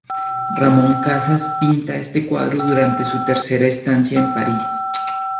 Ramón Casas pinta este cuadro durante su tercera estancia en París.